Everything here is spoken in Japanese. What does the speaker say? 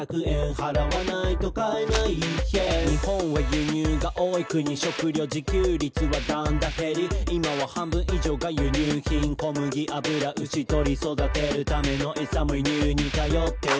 払わないと買えない」「日本は輸入が多い国」「食料自給率はだんだん減り」「いまは半分以上が輸入品」「小麦油牛鶏育てるためのえさも輸入に頼ってる」